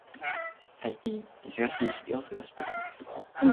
最近、忙しい日々を過ごしています。